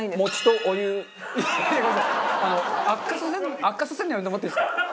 あの悪化させる悪化させるのやめてもらっていいですか？